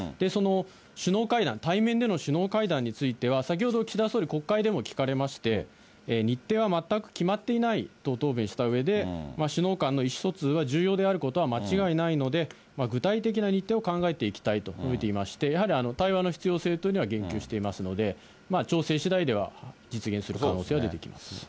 その首脳会談、対面での首脳会談については、先ほど岸田総理、国会でも聞かれまして、日程は全く決まっていないと答弁したうえで、首脳間の意思疎通は重要であることは間違いないので、具体的な日程を考えていきたいと述べていまして、やはり対話の必要性というのは言及していますので、調整しだいでは実現する可能性は出てきます。